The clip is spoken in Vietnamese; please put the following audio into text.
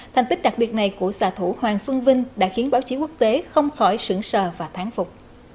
thành tích đặc biệt này của xã thủ hoàng xuân vinh đã khiến báo chí quốc tế không khỏi xưởng sờ và tháng phục